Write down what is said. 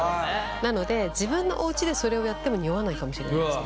なので自分のおうちでそれをやってもにおわないかもしれないですね。